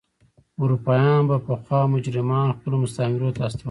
اروپایانو به پخوا مجرمان خپلو مستعمرو ته استول.